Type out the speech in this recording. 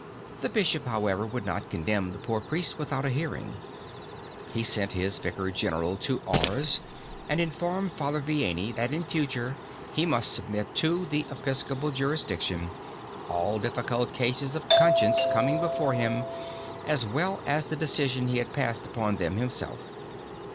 The bishop, however, would not condemn the poor priest without a hearing. He sent his vicar general to Ars and informed Father Vianney that in future he must submit to the episcopal jurisdiction all difficult cases of conscience coming before him as well as the decision he has passed upon them himself.